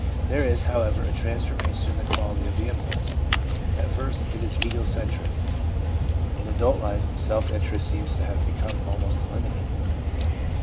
There is, however, a transformation in the quality of the impulse. At first it is ego centric ; in adult life self interest seems to have become almost eliminated.